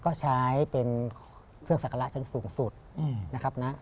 ก็ใช้เป็นเครื่องสักการะชั้นสูงสุดนะครับนะ